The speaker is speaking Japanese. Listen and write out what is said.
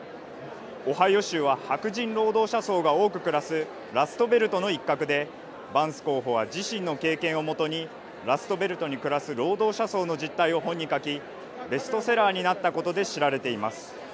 オハイオ州は白人労働者層が多く暮らすラストベルトの一角でバンス候補は自身の経験をもとにラストベルトに暮らす労働者層の実態を本に書き、ベストセラーになったことで知られています。